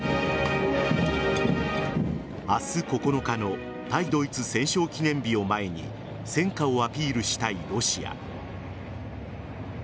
明日９日の対ドイツ戦勝記念日を前に戦果をアピールしたいロシア。